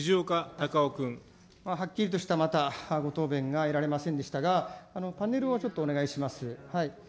はっきりとしたまたご答弁が得られませんでしたが、パネルをちょっとお願いします。